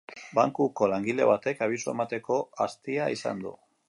Bankuko langile batek abisua emateko astia izan du.